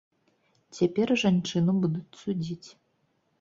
Цяпер жанчыну будуць судзіць.